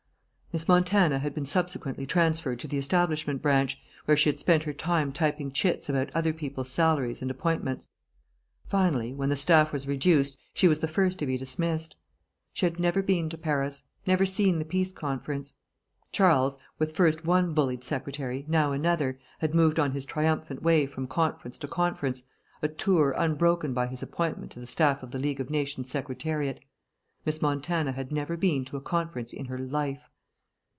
Miss Montana had been subsequently transferred to the Establishment Branch, where she had spent her time typing chits about other people's salaries and appointments. Finally, when the staff was reduced, she was the first to be dismissed. She had never been to Paris; never seen the Peace Conference. Charles, with first one bullied secretary, now another, had moved on his triumphant way from conference to conference, a tour unbroken by his appointment to the staff of the League of Nations Secretariat. Miss Montana had never been to a conference in her life.